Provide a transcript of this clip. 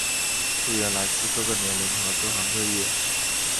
会员来自各个年龄和各行各业。